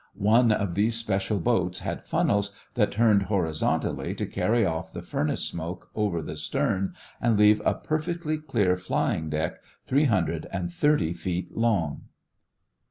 One of these special boats had funnels that turned horizontally to carry off the furnace smoke over the stern and leave a perfectly clear flying deck, 330 feet long.